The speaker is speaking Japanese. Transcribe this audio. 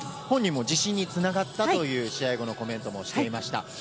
本人も自信につながったという試合後のコメントもしていました。